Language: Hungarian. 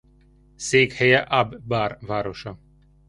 Székhelye Ab Bar városa.